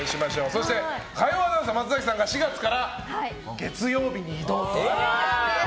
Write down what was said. そして火曜アナウンサー松崎さんが４月から月曜日に異動ということでね。